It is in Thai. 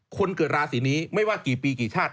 คนเกิดราศีนี้ไม่ว่ากี่ปีกี่ชาติ